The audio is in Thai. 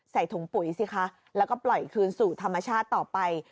ใส่ถุงปุ๋ยสิคะแล้วก็ปล่อยคืนสู่ธรรมชาติต่อไป